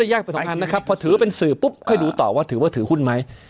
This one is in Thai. ทีนี้ก็เลยยากไป๒อันนะครับพอถือว่าเป็นสื่อปุ๊บก็ให้ดูต่อว่าถือว่าถือหุ้นไหม